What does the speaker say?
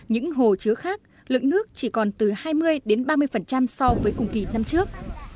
những hồ chứa khác lượng nước chỉ còn từ hai mươi ba mươi so với cùng kỳ năm trước